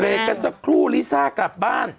กันสักครู่ลิซ่ากลับบ้าน